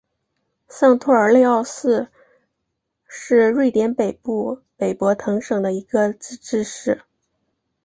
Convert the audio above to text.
上托尔内奥市是瑞典北部北博滕省的一个自治市。